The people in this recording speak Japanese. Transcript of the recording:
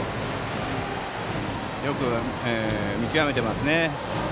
よく見極めていますね。